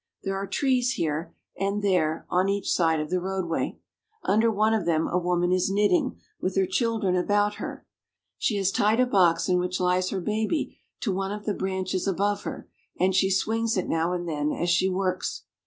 There are trees here and there on each side of the roadway. Under one of them a woman is knitting, with her chil dren about her ; she has tied a box in which lies her baby to one of the branches above her, and she swings it now and then as she works.